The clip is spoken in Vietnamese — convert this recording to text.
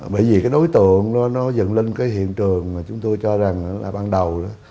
bởi vì cái nối tượng nó dẫn lên cái hiện trường mà chúng tôi cho rằng là ban đầu